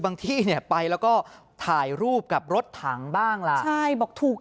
ที่เนี่ยไปแล้วก็ถ่ายรูปกับรถถังบ้างล่ะใช่บอกถูก